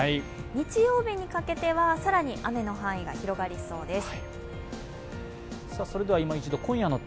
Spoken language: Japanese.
日曜日にかけては、更に雨の範囲が広がりそうです。